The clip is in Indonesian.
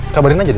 kabarin aja dia